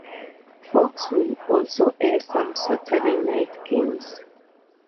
Fox will also air some Saturday night games.